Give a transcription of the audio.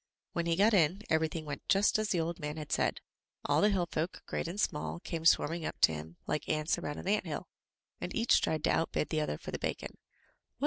When he got in, everything went just as the old man had said. All the hillfolk, great and small, came swarming up to him, like ants aroimd an ant hill, and each tried to outbid the other for the bacon. "Well!'